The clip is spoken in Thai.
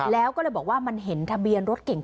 แล้วก็เลยบอกว่ามันเห็นทะเบียนรถเก่ง